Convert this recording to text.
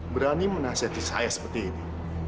berani menasihati saya seperti ini